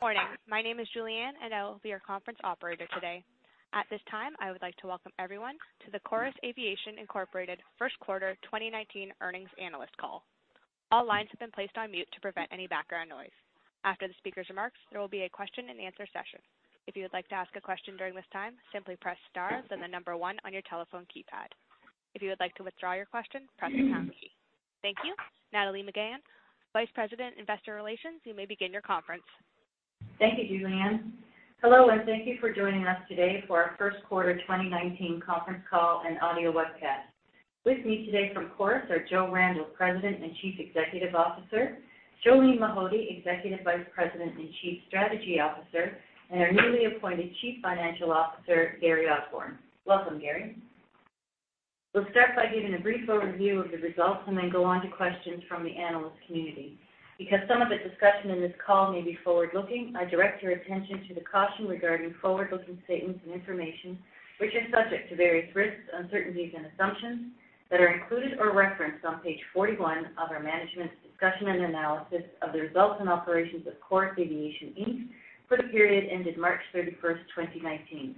Morning. My name is Julianne, and I will be your conference operator today. At this time, I would like to welcome everyone to the Chorus Aviation Inc Q1 2019 earnings analyst call. All lines have been placed on mute to prevent any background noise. After the speaker's remarks, there will be a question-and-answer session. If you would like to ask a question during this time, simply press star then the number one on your telephone keypad. If you would like to withdraw your question, press the pound key. Thank you. Nathalie Megann, Vice President Investor Relations, you may begin your conference. Thank you, Julianne. Hello, and thank you for joining us today for our Q1 2019 conference call and audio webcast. With me today from Chorus are Joe Randell, President and Chief Executive Officer; Jolene Mahody, Executive Vice President and Chief Strategy Officer; and our newly appointed Chief Financial Officer, Gary Osborne. Welcome, Gary. We'll start by giving a brief overview of the results and then go on to questions from the analyst community. Because some of the discussion in this call may be forward-looking, I direct your attention to the caution regarding forward-looking statements and information which are subject to various risks, uncertainties, and assumptions that are included or referenced on page 41 of our management's discussion and analysis of the results and operations of Chorus Aviation Inc. for the period ended March 31, 2019.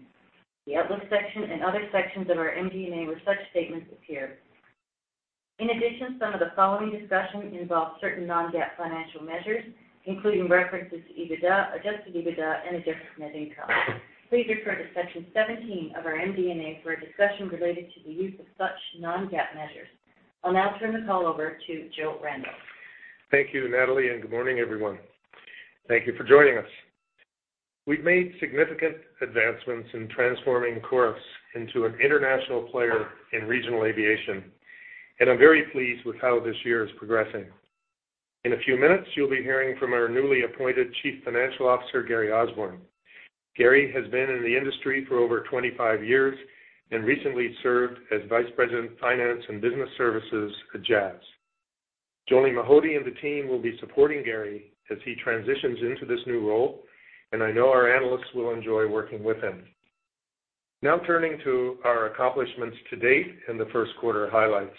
The outlook section and other sections of our MD&A where such statements appear. In addition, some of the following discussion involves certain non-GAAP financial measures, including references to EBITDA, adjusted EBITDA, and adjusted net income. Please refer to section 17 of our MD&A for a discussion related to the use of such non-GAAP measures. I'll now turn the call over to Joe Randell. Thank you, Nathalie, and good morning, everyone. Thank you for joining us. We've made significant advancements in transforming Chorus into an international player in regional aviation, and I'm very pleased with how this year is progressing. In a few minutes, you'll be hearing from our newly appointed Chief Financial Officer, Gary Osborne. Gary has been in the industry for over 25 years and recently served as Vice President Finance and Business Services at Jazz. Jolene Mahody and the team will be supporting Gary as he transitions into this new role, and I know our analysts will enjoy working with him. Now turning to our accomplishments to date and the Q1 highlights.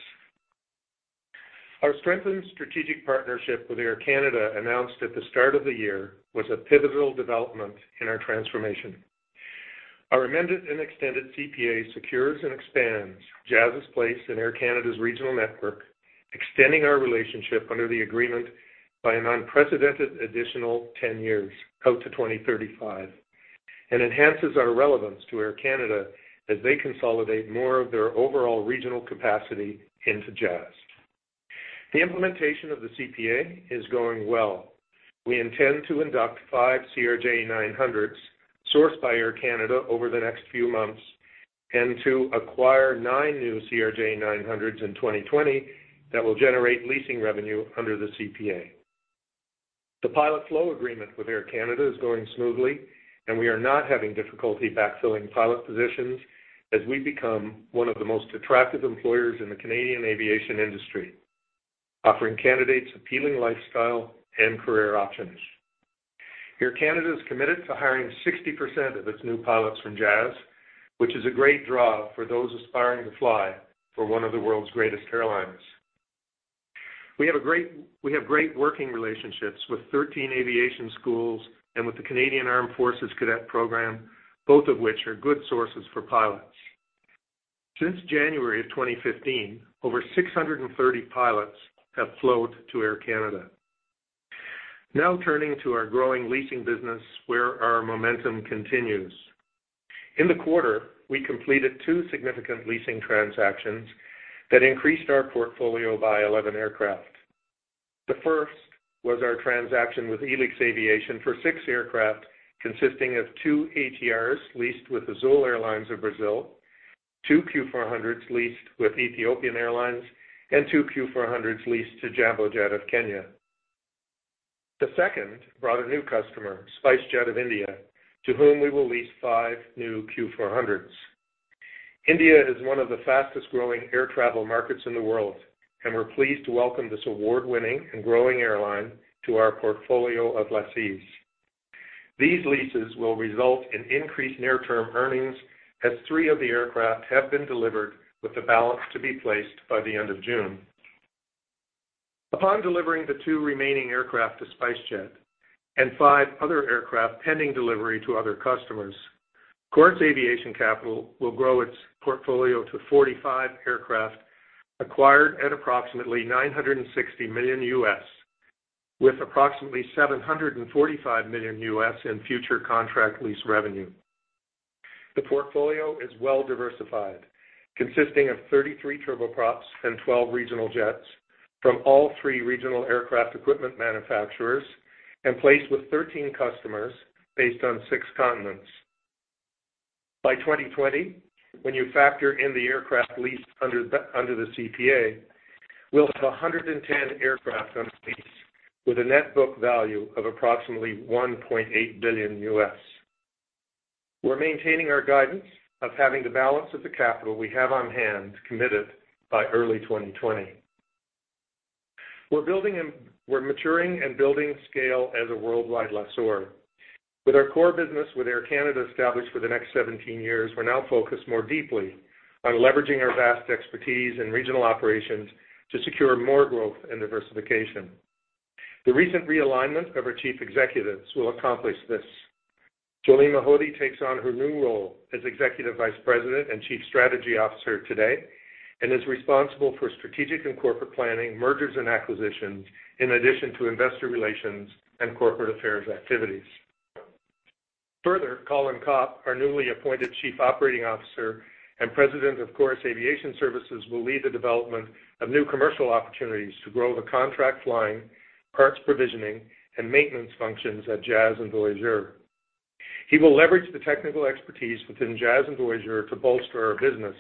Our strengthened strategic partnership with Air Canada announced at the start of the year was a pivotal development in our transformation. Our amended and extended CPA secures and expands Jazz's place in Air Canada's regional network, extending our relationship under the agreement by an unprecedented additional 10 years, out to 2035, and enhances our relevance to Air Canada as they consolidate more of their overall regional capacity into Jazz. The implementation of the CPA is going well. We intend to induct five CRJ900s sourced by Air Canada over the next few months and to acquire nine new CRJ900s in 2020 that will generate leasing revenue under the CPA. The pilot flow agreement with Air Canada is going smoothly, and we are not having difficulty backfilling pilot positions as we become one of the most attractive employers in the Canadian aviation industry, offering candidates appealing lifestyle and career options. Air Canada is committed to hiring 60% of its new pilots from Jazz, which is a great draw for those aspiring to fly for one of the world's greatest airlines. We have great working relationships with 13 aviation schools and with the Canadian Armed Forces Cadet Program, both of which are good sources for pilots. Since January of 2015, over 630 pilots have flown to Air Canada. Now turning to our growing leasing business, where our momentum continues. In the quarter, we completed two significant leasing transactions that increased our portfolio by 11 aircraft. The first was our transaction with Elix Aviation for 6 aircraft consisting of 2 ATRs leased with Azul Airlines of Brazil, 2 Q400s leased with Ethiopian Airlines, and 2 Q400s leased to Jambojet of Kenya. The second brought a new customer, SpiceJet of India, to whom we will lease 5 new Q400s. India is one of the fastest-growing air travel markets in the world, and we're pleased to welcome this award-winning and growing airline to our portfolio of lessees. These leases will result in increased near-term earnings as three of the aircraft have been delivered with the balance to be placed by the end of June. Upon delivering the two remaining aircraft to SpiceJet and five other aircraft pending delivery to other customers, Chorus Aviation Capital will grow its portfolio to 45 aircraft acquired at approximately $960 million, with approximately $745 million in future contract lease revenue. The portfolio is well-diversified, consisting of 33 turboprops and 12 regional jets from all three regional aircraft equipment manufacturers and placed with 13 customers based on six continents. By 2020, when you factor in the aircraft leased under the CPA, we'll have 110 aircraft under lease with a net book value of approximately $1.8 billion. We're maintaining our guidance of having the balance of the capital we have on hand committed by early 2020. We're maturing and building scale as a worldwide lessor. With our core business with Air Canada established for the next 17 years, we're now focused more deeply on leveraging our vast expertise in regional operations to secure more growth and diversification. The recent realignment of our chief executives will accomplish this. Jolene Mahody takes on her new role as Executive Vice President and Chief Strategy Officer today and is responsible for strategic and corporate planning, mergers and acquisitions, in addition to investor relations and corporate affairs activities. Further, Colin Copp, our newly appointed Chief Operating Officer and President of Chorus Aviation Services, will lead the development of new commercial opportunities to grow the contract flying, parts provisioning, and maintenance functions at Jazz and Voyageur. He will leverage the technical expertise within Jazz and Voyageur to bolster our business,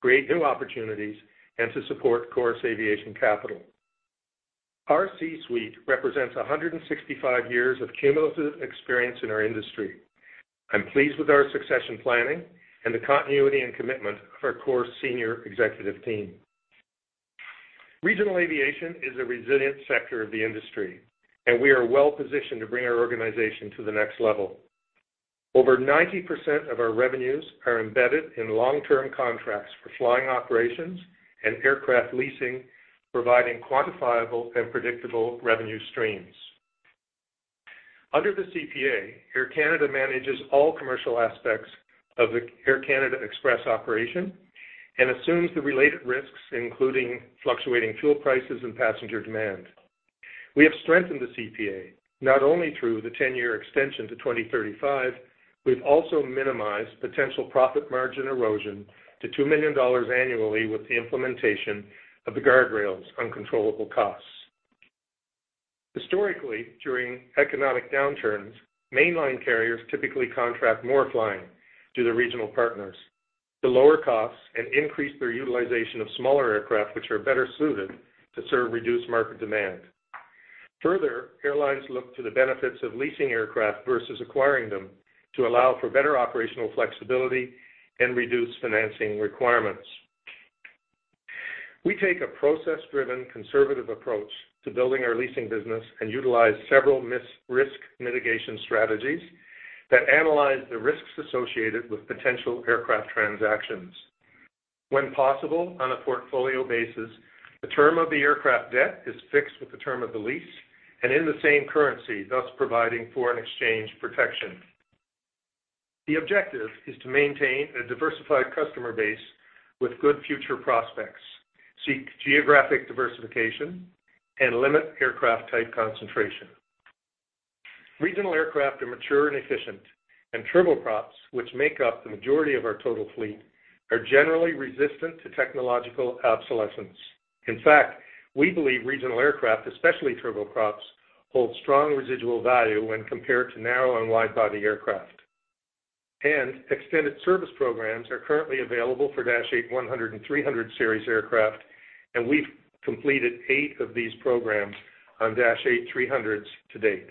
create new opportunities, and to support Chorus Aviation Capital. Our C-suite represents 165 years of cumulative experience in our industry. I'm pleased with our succession planning and the continuity and commitment of our Chorus senior executive team. Regional aviation is a resilient sector of the industry, and we are well-positioned to bring our organization to the next level. Over 90% of our revenues are embedded in long-term contracts for flying operations and aircraft leasing, providing quantifiable and predictable revenue streams. Under the CPA, Air Canada manages all commercial aspects of the Air Canada Express operation and assumes the related risks, including fluctuating fuel prices and passenger demand. We have strengthened the CPA not only through the 10-year extension to 2035, we've also minimized potential profit margin erosion to 2 million dollars annually with the implementation of the guardrails on controllable costs. Historically, during economic downturns, mainline carriers typically contract more flying due to regional partners to lower costs and increase their utilization of smaller aircraft, which are better suited to serve reduced market demand. Further, airlines look to the benefits of leasing aircraft versus acquiring them to allow for better operational flexibility and reduce financing requirements. We take a process-driven, conservative approach to building our leasing business and utilize several risk mitigation strategies that analyze the risks associated with potential aircraft transactions. When possible, on a portfolio basis, the term of the aircraft debt is fixed with the term of the lease and in the same currency, thus providing foreign exchange protection. The objective is to maintain a diversified customer base with good future prospects, seek geographic diversification, and limit aircraft type concentration. Regional aircraft are mature and efficient, and turboprops, which make up the majority of our total fleet, are generally resistant to technological obsolescence. In fact, we believe regional aircraft, especially turboprops, hold strong residual value when compared to narrow and wide-body aircraft. Extended Service Programs are currently available for Dash 8-100 and Dash 8-300 series aircraft, and we've completed eight of these programs on Dash 8-300s to date.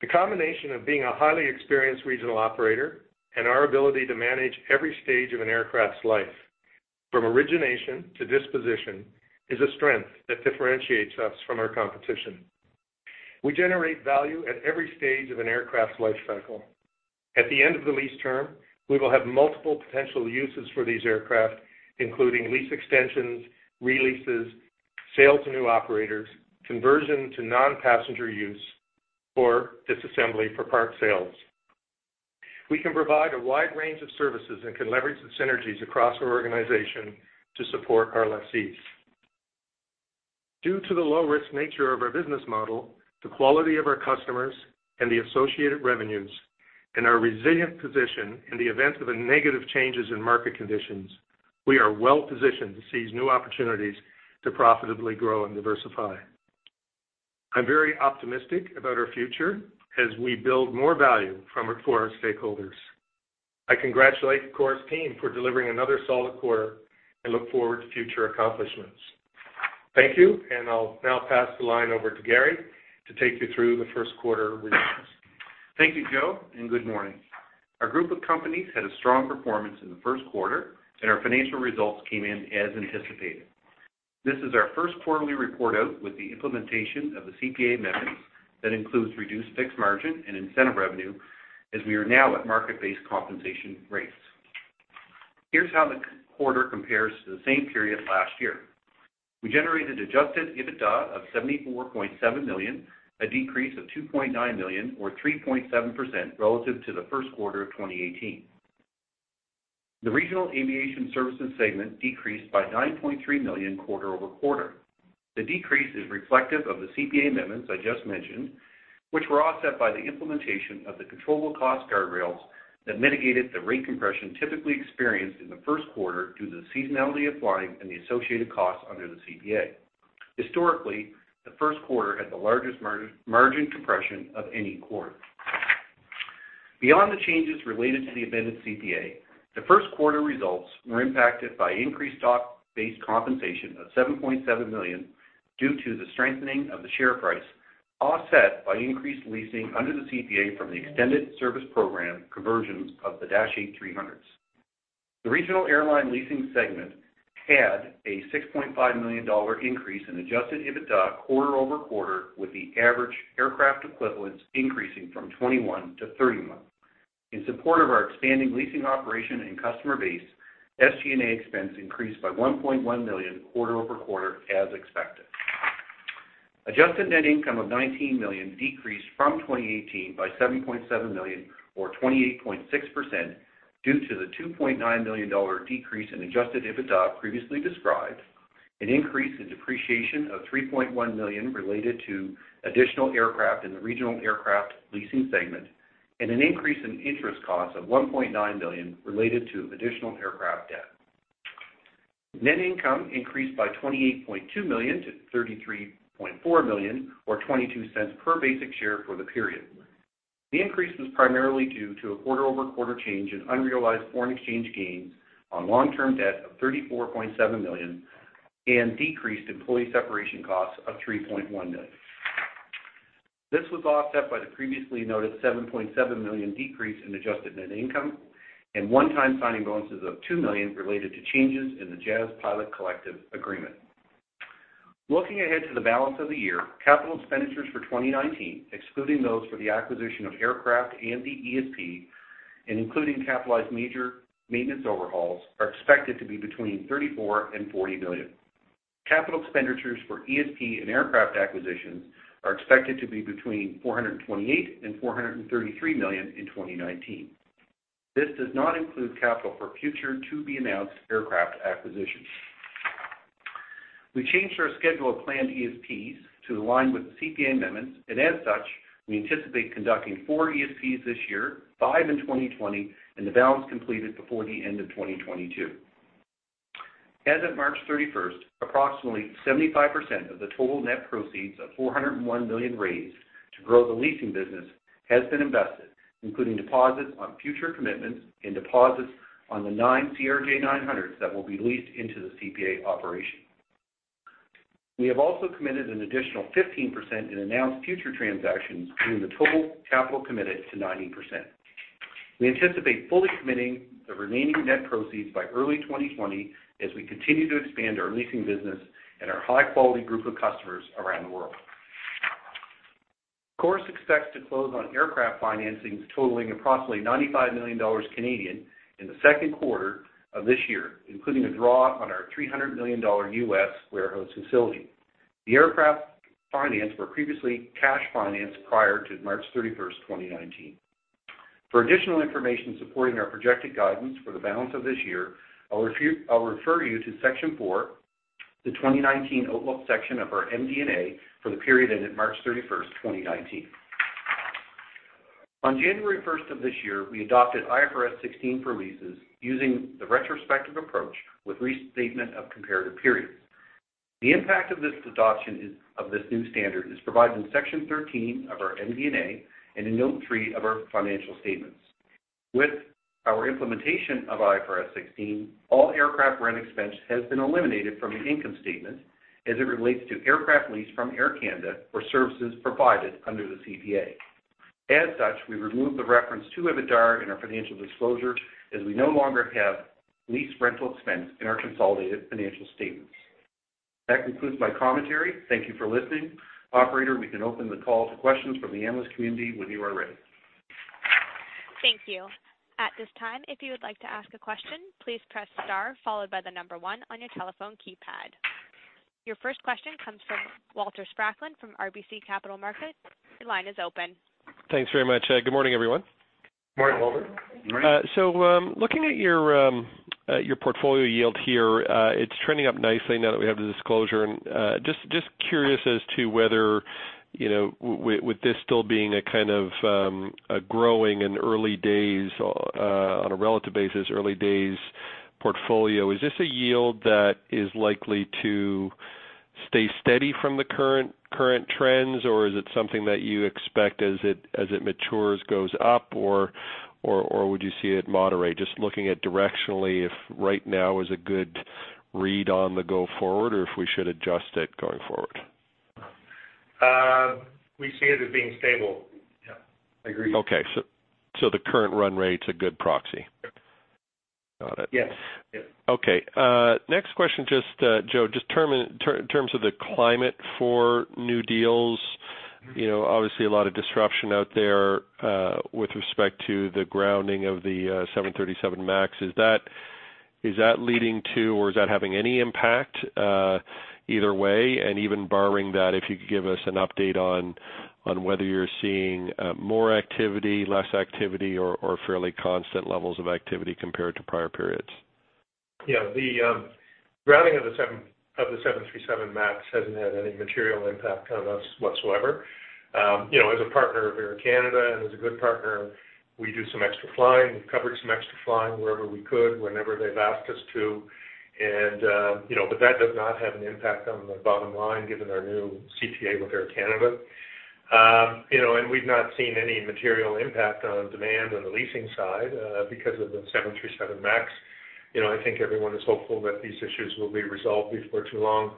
The combination of being a highly experienced regional operator and our ability to manage every stage of an aircraft's life, from origination to disposition, is a strength that differentiates us from our competition. We generate value at every stage of an aircraft's life cycle. At the end of the lease term, we will have multiple potential uses for these aircraft, including lease extensions, releases, sales to new operators, conversion to non-passenger use, or disassembly for part sales. We can provide a wide range of services and can leverage the synergies across our organization to support our lessees. Due to the low-risk nature of our business model, the quality of our customers, and the associated revenues, and our resilient position in the event of negative changes in market conditions, we are well-positioned to seize new opportunities to profitably grow and diversify. I'm very optimistic about our future as we build more value for our stakeholders. I congratulate Chorus team for delivering another solid quarter and look forward to future accomplishments. Thank you, and I'll now pass the line over to Gary to take you through the Q1 results. Thank you, Joe, and good morning. Our group of companies had a strong performance in the Q1, and our financial results came in as anticipated. This is our first quarterly report out with the implementation of the CPA methods that includes reduced fixed margin and incentive revenue as we are now at market-based compensation rates. Here's how the quarter compares to the same period last year. We generated Adjusted EBITDA of 74.7 million, a decrease of 2.9 million, or 3.7% relative to the Q1 of 2018. The regional aviation services segment decreased by 9.3 million quarter-over-quarter. The decrease is reflective of the CPA amendments I just mentioned, which were offset by the implementation of the controllable cost guardrails that mitigated the rate compression typically experienced in the Q1 due to the seasonality of flying and the associated costs under the CPA. Historically, the Q1 had the largest margin compression of any quarter. Beyond the changes related to the amended CPA, the Q1 results were impacted by increased stock-based compensation of 7.7 million due to the strengthening of the share price offset by increased leasing under the CPA from the extended service program conversions of the Dash 8-300s. The regional airline leasing segment had a 6.5 million dollar increase in adjusted EBITDA quarter-over-quarter, with the average aircraft equivalents increasing from 21 to 31. In support of our expanding leasing operation and customer base, SG&A expense increased by 1.1 million quarter-over-quarter as expected. Adjusted Net Income of 19 million decreased from 2018 by 7.7 million, or 28.6%, due to the 2.9 million dollar decrease in Adjusted EBITDA previously described, an increase in depreciation of 3.1 million related to additional aircraft in the regional aircraft leasing segment, and an increase in interest costs of 1.9 million related to additional aircraft debt. Net income increased by 28.2 million to 33.4 million, or 0.22 per basic share for the period. The increase was primarily due to a quarter-over-quarter change in unrealized foreign exchange gains on long-term debt of 34.7 million and decreased employee separation costs of 3.1 million. This was offset by the previously noted 7.7 million decrease in Adjusted Net Income and one-time signing bonuses of 2 million related to changes in the Jazz pilot collective agreement. Looking ahead to the balance of the year, capital expenditures for 2019, excluding those for the acquisition of aircraft and the ESP and including capitalized major maintenance overhauls, are expected to be between 34 million and 40 million. Capital expenditures for ESP and aircraft acquisitions are expected to be between 428 million and 433 million in 2019. This does not include capital for future to-be-announced aircraft acquisitions. We changed our schedule of planned ESPs to align with the CPA amendments, and as such, we anticipate conducting four ESPs this year, five in 2020, and the balance completed before the end of 2022. As of March 31st, approximately 75% of the total net proceeds of 401 million raised to grow the leasing business has been invested, including deposits on future commitments and deposits on the nine CRJ900s that will be leased into the CPA operation. We have also committed an additional 15% in announced future transactions to the total capital committed to 90%. We anticipate fully committing the remaining net proceeds by early 2020 as we continue to expand our leasing business and our high-quality group of customers around the world. Chorus expects to close on aircraft financings totaling approximately 95 million Canadian dollars in the Q2 of this year, including a draw on our $300 million warehouse facility. The aircraft financed were previously cash financed prior to March 31st, 2019. For additional information supporting our projected guidance for the balance of this year, I'll refer you to Section 4, the 2019 Outlook section of our MD&A for the period ended March 31st, 2019. On January 1st of this year, we adopted IFRS 16 for leases using the retrospective approach with restatement of comparative periods. The impact of this adoption of this new standard is provided in Section 13 of our MD&A and in Note 3 of our financial statements. With our implementation of IFRS 16, all aircraft rent expense has been eliminated from the income statement as it relates to aircraft lease from Air Canada for services provided under the CPA. As such, we remove the reference to EBITDA in our financial disclosure as we no longer have lease rental expense in our consolidated financial statements. That concludes my commentary. Thank you for listening. Operator, we can open the call to questions from the analyst community when you are ready. Thank you. At this time, if you would like to ask a question, please press star followed by the number one on your telephone keypad. Your first question comes from Walter Spracklin from RBC Capital Markets. Your line is open. Thanks very much. Good morning, everyone. Good morning, Walter. Morning. Looking at your portfolio yield here, it's trending up nicely now that we have the disclosure. Just curious as to whether with this still being a kind of growing in early days on a relative basis, early days portfolio, is this a yield that is likely to stay steady from the current trends, or is it something that you expect as it matures goes up, or would you see it moderate? Just looking at directionally, if right now is a good read on the go forward, or if we should adjust it going forward? We see it as being stable. Yeah, I agree. Okay. So the current run rate's a good proxy? Yep. Got it. Yes. Okay. Next question, just Joe, just in terms of the climate for new deals. Obviously, a lot of disruption out there with respect to the grounding of the 737 MAX. Is that leading to, or is that having any impact either way? And even borrowing that, if you could give us an update on whether you're seeing more activity, less activity, or fairly constant levels of activity compared to prior periods? Yeah. The grounding of the 737 MAX hasn't had any material impact on us whatsoever. As a partner of Air Canada and as a good partner, we do some extra flying. We've covered some extra flying wherever we could, whenever they've asked us to. But that does not have an impact on the bottom line given our new CPA with Air Canada. And we've not seen any material impact on demand on the leasing side because of the 737 MAX. I think everyone is hopeful that these issues will be resolved before too long.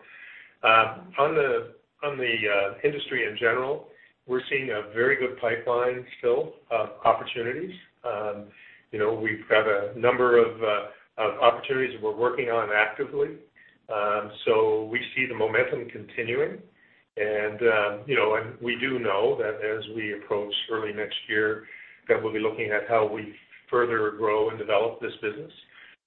On the industry in general, we're seeing a very good pipeline still of opportunities. We've got a number of opportunities that we're working on actively. So we see the momentum continuing. And we do know that as we approach early next year, that we'll be looking at how we further grow and develop this business.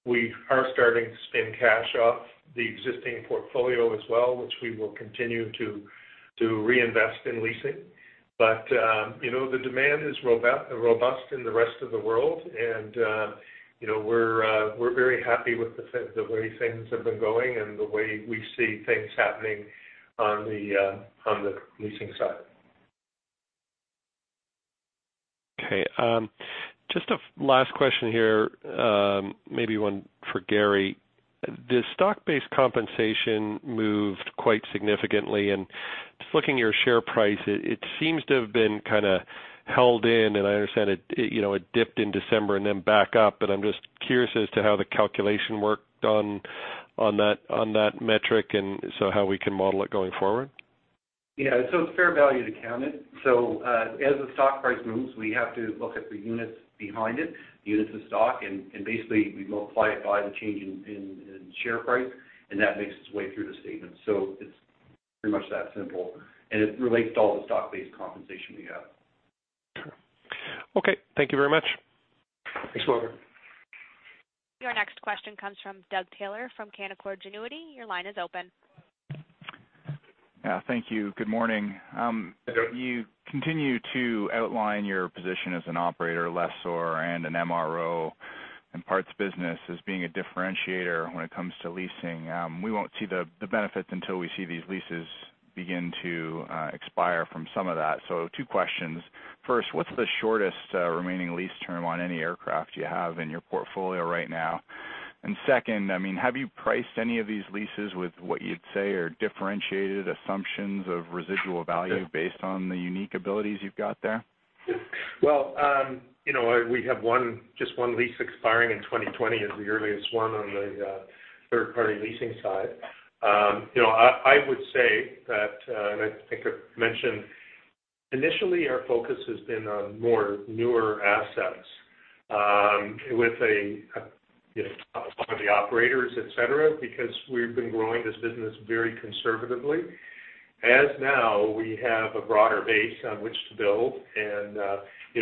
We are starting to spin cash off the existing portfolio as well, which we will continue to reinvest in leasing. But the demand is robust in the rest of the world, and we're very happy with the way things have been going and the way we see things happening on the leasing side. Okay. Just a last question here, maybe one for Gary. The stock-based compensation moved quite significantly. Just looking at your share price, it seems to have been kind of held in. I understand it dipped in December and then back up. But I'm just curious as to how the calculation worked on that metric and so how we can model it going forward. Yeah. So it's fair value accounted. So as the stock price moves, we have to look at the units behind it, the units of stock, and basically, we multiply it by the change in share price, and that makes its way through the statement. So it's pretty much that simple. And it relates to all the stock-based compensation we have. Okay. Thank you very much. Thanks, Walter. Your next question comes from Doug Taylor from Canaccord Genuity. Your line is open. Yeah. Thank you. Good morning. You continue to outline your position as an operator, lessor, and an MRO and parts business as being a differentiator when it comes to leasing. We won't see the benefits until we see these leases begin to expire from some of that. So two questions. First, what's the shortest remaining lease term on any aircraft you have in your portfolio right now? And second, I mean, have you priced any of these leases with what you'd say are differentiated assumptions of residual value based on the unique abilities you've got there? Well, we have just one lease expiring in 2020 as the earliest one on the third-party leasing side. I would say that, and I think I've mentioned, initially, our focus has been on more newer assets with a lot of the operators, etc., because we've been growing this business very conservatively. As now, we have a broader base on which to build.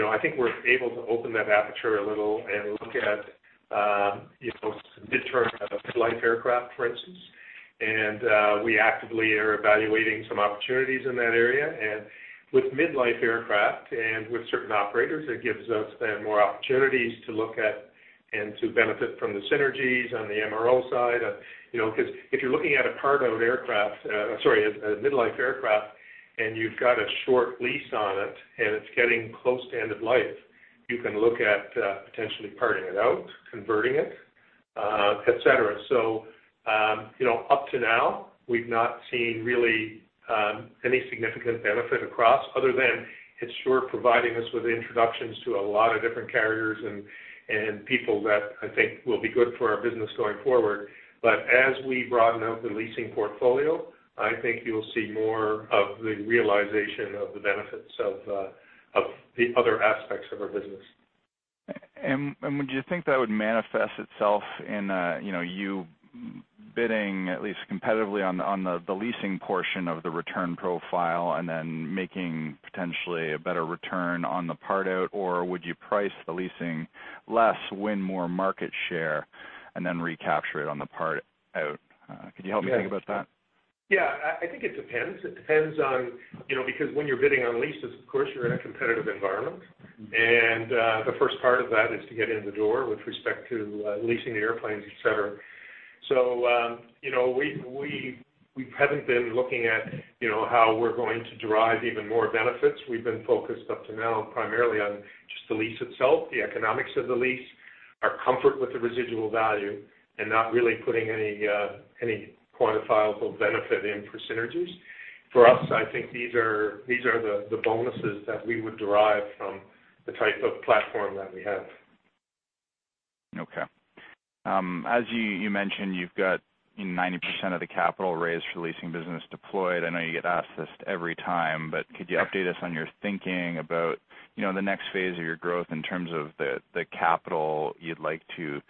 I think we're able to open that aperture a little and look at mid-term mid-life aircraft, for instance. We actively are evaluating some opportunities in that area. With mid-life aircraft and with certain operators, it gives us then more opportunities to look at and to benefit from the synergies on the MRO side. Because if you're looking at a Chorus-owned aircraft, sorry, a mid-life aircraft, and you've got a short lease on it and it's getting close to end of life, you can look at potentially parting it out, converting it, etc. So up to now, we've not seen really any significant benefit across other than it's sure providing us with introductions to a lot of different carriers and people that I think will be good for our business going forward. But as we broaden out the leasing portfolio, I think you'll see more of the realization of the benefits of the other aspects of our business. And would you think that would manifest itself in you bidding at least competitively on the leasing portion of the return profile and then making potentially a better return on the part out? Or would you price the leasing less, win more market share, and then recapture it on the part out? Could you help me think about that? Yeah. I think it depends. It depends on because when you're bidding on leases, of course, you're in a competitive environment. And the first part of that is to get in the door with respect to leasing the airplanes, etc. So we haven't been looking at how we're going to derive even more benefits. We've been focused up to now primarily on just the lease itself, the economics of the lease, our comfort with the residual value, and not really putting any quantifiable benefit in for synergies. For us, I think these are the bonuses that we would derive from the type of platform that we have. Okay. As you mentioned, you've got 90% of the capital raised for leasing business deployed. I know you get asked this every time, but could you update us on your thinking about the next phase of your growth in terms of the capital you'd like to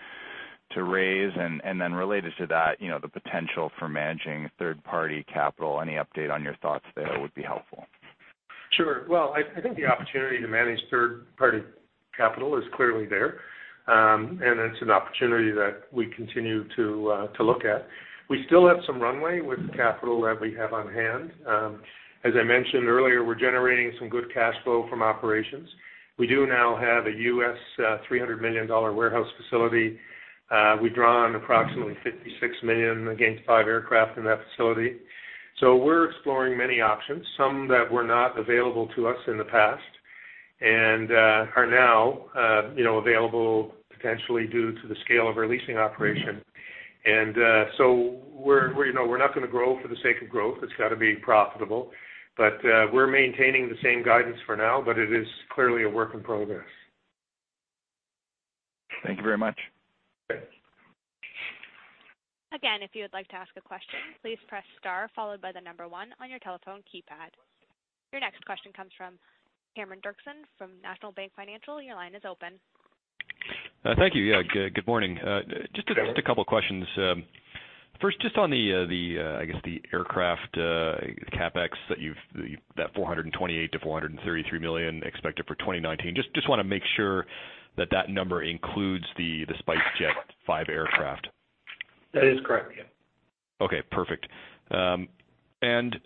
raise? And then related to that, the potential for managing third-party capital, any update on your thoughts there would be helpful. Sure. Well, I think the opportunity to manage third-party capital is clearly there. And it's an opportunity that we continue to look at. We still have some runway with the capital that we have on hand. As I mentioned earlier, we're generating some good cash flow from operations. We do now have a $300 million warehouse facility. We've drawn approximately 56 million against five aircraft in that facility. So we're exploring many options, some that were not available to us in the past and are now available potentially due to the scale of our leasing operation. And so we're not going to grow for the sake of growth. It's got to be profitable. But we're maintaining the same guidance for now, but it is clearly a work in progress. Thank you very much. Okay. Again, if you would like to ask a question, please press star followed by the number one on your telephone keypad. Your next question comes from Cameron Doerksen from National Bank Financial. Your line is open. Thank you. Yeah. Good morning. Just a couple of questions. First, just on the, I guess, the aircraft, the CapEx that you've 428 million-433 million expected for 2019. Just want to make sure that that number includes the SpiceJet 5 aircraft. That is correct. Yeah. Okay. Perfect. And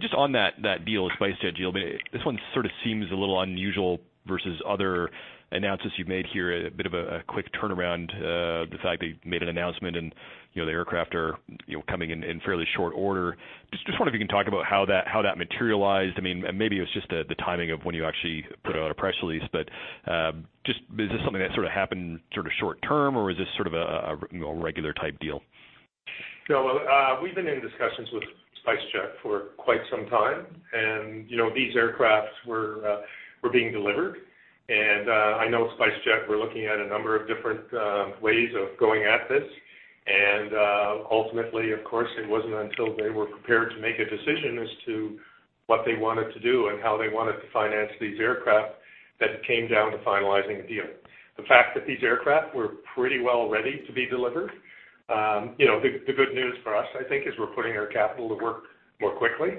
just on that deal, the SpiceJet deal, this one sort of seems a little unusual versus other announcements you've made here, a bit of a quick turnaround, the fact they made an announcement and the aircraft are coming in fairly short order. Just wonder if you can talk about how that materialized. I mean, maybe it was just the timing of when you actually put out a press release. But just is this something that sort of happened sort of short term, or is this sort of a regular-type deal? No. We've been in discussions with SpiceJet for quite some time. These aircraft were being delivered. I know SpiceJet, we're looking at a number of different ways of going at this. Ultimately, of course, it wasn't until they were prepared to make a decision as to what they wanted to do and how they wanted to finance these aircraft that it came down to finalizing a deal. The fact that these aircraft were pretty well ready to be delivered, the good news for us, I think, is we're putting our capital to work more quickly,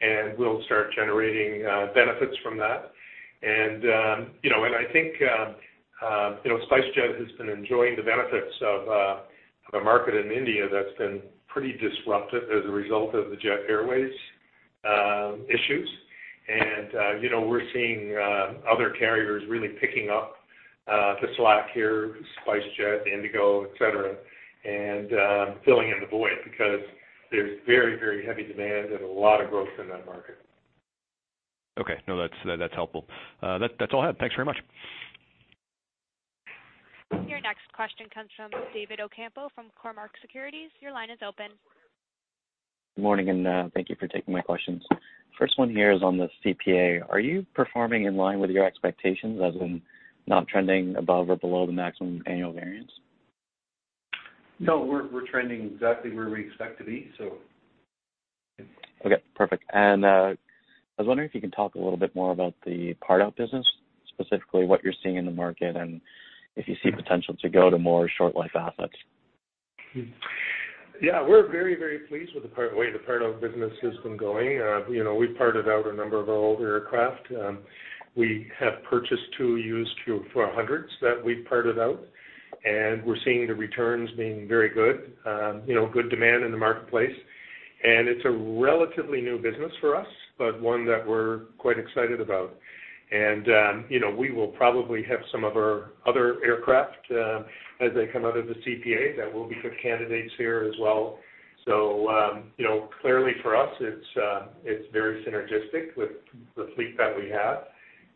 and we'll start generating benefits from that. I think SpiceJet has been enjoying the benefits of a market in India that's been pretty disruptive as a result of the Jet Airways issues. We're seeing other carriers really picking up the slack here, SpiceJet, IndiGo, etc., and filling in the void because there's very, very heavy demand and a lot of growth in that market. Okay. No, that's helpful. That's all I have. Thanks very much. Your next question comes from David Ocampo from Cormark Securities. Your line is open. Good morning, and thank you for taking my questions. First one here is on the CPA. Are you performing in line with your expectations as in not trending above or below the maximum annual variance? No. We're trending exactly where we expect to be, so. Okay. Perfect. I was wondering if you can talk a little bit more about the part-out business, specifically what you're seeing in the market and if you see potential to go to more short-life assets. Yeah. We're very, very pleased with the way the part-out business has been going. We've parted out a number of our older aircraft. We have purchased 2 used Q400s that we've parted out. And we're seeing the returns being very good, good demand in the marketplace. And it's a relatively new business for us, but one that we're quite excited about. And we will probably have some of our other aircraft as they come out of the CPA that will be good candidates here as well. So clearly, for us, it's very synergistic with the fleet that we have.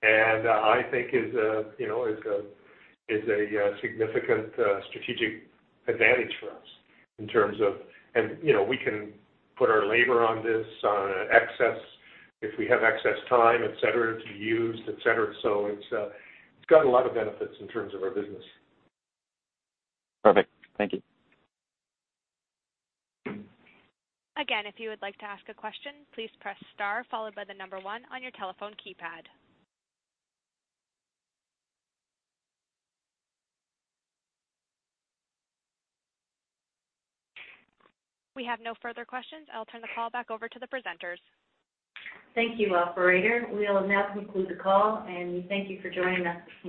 And I think is a significant strategic advantage for us in terms of, and we can put our labor on this, on excess, if we have excess time, etc., to be used, etc. So it's got a lot of benefits in terms of our business. Perfect. Thank you. Again, if you would like to ask a question, please press star followed by the number 1 on your telephone keypad. We have no further questions. I'll turn the call back over to the presenters. Thank you, Operator. We'll now conclude the call. Thank you for joining us.